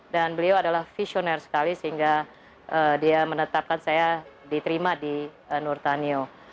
dan beliau adalah visioner sekali sehingga dia menetapkan saya diterima di nur tanyo